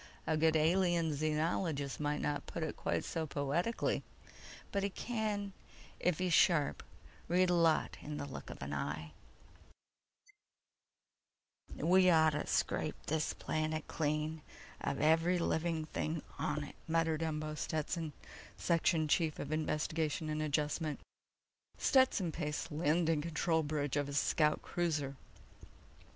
A good Alien Xenologist might not put it quite so poetically ... but he can, if he's sharp, read a lot in the look of an eye!_ Illustrated by van Dongen "We ought to scrape this planet clean of every living thing on it," muttered Umbo Stetson, section chief of Investigation & Adjustment. Stetson paced the landing control bridge of his scout cruiser.